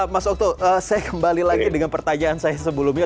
mas okto saya kembali lagi dengan pertanyaan saya sebelumnya